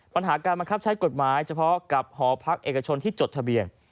ปัญหาการบังคับใช้กฎหมายเฉพาะกับหอพักเอกชนที่จดทะเบียน